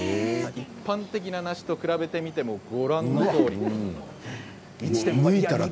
一般的な梨と比べてみてもご覧のとおり。